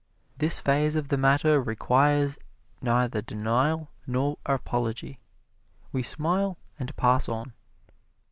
This phase of the matter requires neither denial nor apology. We smile and pass on.